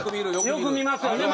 よく見ますよね。